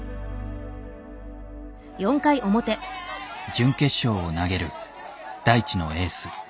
準決勝を投げる大智のエース森本。